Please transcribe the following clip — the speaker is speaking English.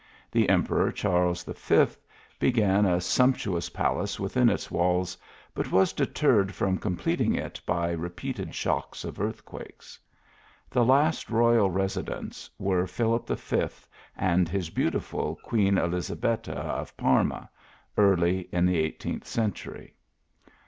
The Emperor Charles V. began a sumptuous palace within its walls, but was deterred from completing it by repeated shocks of earthquakes. The last royal residents were Philip V. and his beautiful Queen Elizabetta, of Parma, early in the eighteenth cen tury.